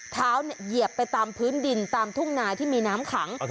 เหยียบไปตามพื้นดินตามทุ่งนาที่มีน้ำขัง